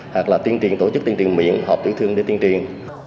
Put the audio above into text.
hoặc là tiên triền tổ chức tiên triền miệng họp tiêu thương để tiên triền